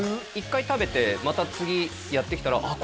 １回食べてまた次やって来たらあっ